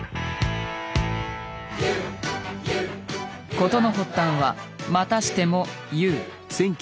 事の発端はまたしても「ＹＯＵ」。